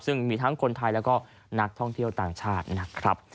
ซึ่งมีทั้งคนไทยแล้วก็นักท่องเที่ยวต่างชาตินะครับ